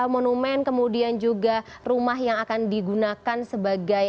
monumen kemudian juga rumah yang akan digunakan sebagai